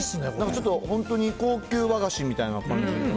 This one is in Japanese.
ちょっと本当に、高級和菓子みたいな感じ。